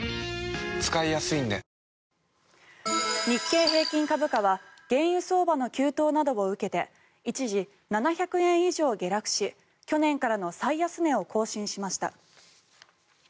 日経平均株価は原油相場の急騰などを受けて一時、７００円以上下落し去年からの最安値を更新しました。